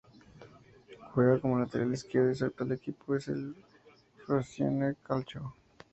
Juega como lateral izquierdo, y su actual equipo es el Frosinone Calcio.